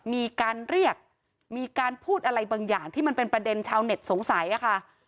มีการเรียกมีการพูดอะไรบางอย่างที่มันเป็นประเด็นชาวเน็ตสงสัยค่ะ